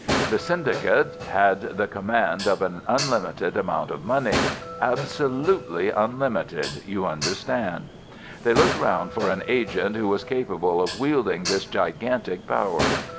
The syndicate had the command of an unlimited amount of money—absolutely unlimited, you understand. They looked round for an agent who was capable of wielding this gigantic power.